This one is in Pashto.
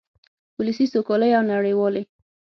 ولسي سوکالۍ او نړیوالې